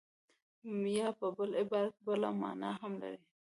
یا په بل عبارت بله مانا هم لري